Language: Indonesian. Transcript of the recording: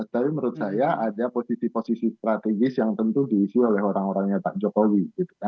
tapi menurut saya ada posisi posisi strategis yang tentu diisi oleh orang orangnya pak jokowi